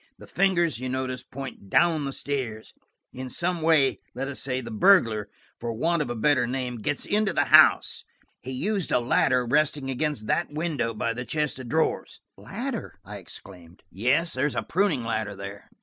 The fingers, you notice, point down the stairs. In some way, let us say, the burglar, for want of a better name, gets into the house. He used a ladder resting against that window by the chest of drawers." "Ladder!" I exclaimed. "Yes, there is a pruning ladder there.